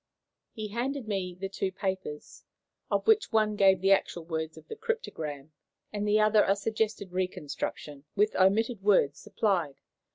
] He handed me the two papers, of which one gave the actual words of the cryptogram, and the other a suggested reconstruction, with omitted words supplied.